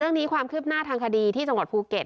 เรื่องนี้ความคืบหน้าทางคดีที่จังหวัดภูเกษ